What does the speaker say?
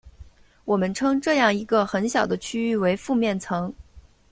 我们称这样一个很小的区域为附面层。